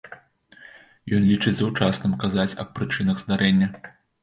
Ён лічыць заўчасным казаць аб прычынах здарэння.